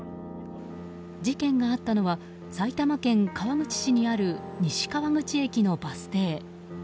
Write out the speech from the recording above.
事件があったのは埼玉県川口市にある西川口駅のバス停。